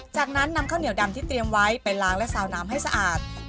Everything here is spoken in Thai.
จากนั้นนำข้าวเหนียวดำที่เตรียมไว้ไปล้างและสาวน้ำให้สะอาด